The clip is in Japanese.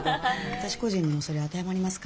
私個人にもそれ当てはまりますか？